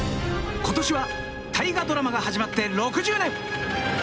今年は「大河ドラマ」が始まって６０年！